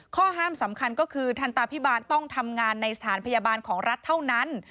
ข้อห้ามสำคัญก็คือทันตาพิบาลต้องทำงานในสถานพยาบาลของรัฐเท่านั้น